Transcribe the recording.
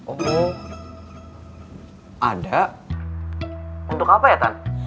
oh ada untuk apa ya tan